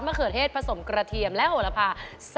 เขือเทศผสมกระเทียมและโหระพา